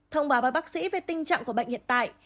thông báo với bác sĩ về tình trạng của bệnh hiện tại